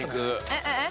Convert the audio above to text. えっ？